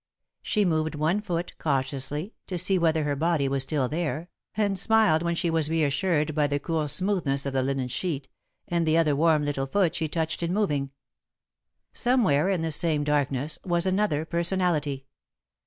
She moved one foot, cautiously, to see whether her body was still there, and smiled when she was reassured by the cool smoothness of the linen sheet, and the other warm little foot she touched in moving. Somewhere, in this same darkness, was another personality.